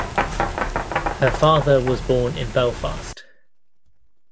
Her father was born in Belfast.